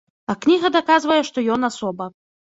А кніга даказвае, што ён асоба.